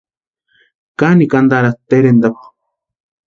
Kanikwa antaratʼi terentapu.